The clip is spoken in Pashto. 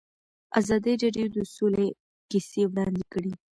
ازادي راډیو د سوله کیسې وړاندې کړي.